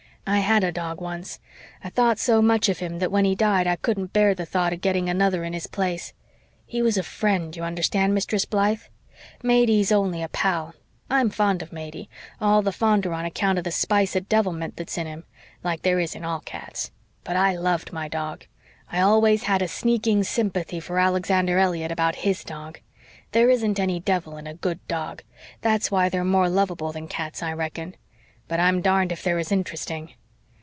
"I had a dog once. I thought so much of him that when he died I couldn't bear the thought of getting another in his place. He was a FRIEND you understand, Mistress Blythe? Matey's only a pal. I'm fond of Matey all the fonder on account of the spice of devilment that's in him like there is in all cats. But I LOVED my dog. I always had a sneaking sympathy for Alexander Elliott about HIS dog. There isn't any devil in a good dog. That's why they're more lovable than cats, I reckon. But I'm darned if they're as interesting.